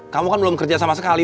kamu kan belum kerja sama sekali